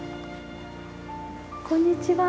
こんにちは。